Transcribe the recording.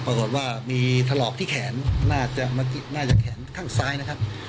ปรากฏว่ามีถลอกที่แขนน่าจะแขนข้างซ้ายนะครับ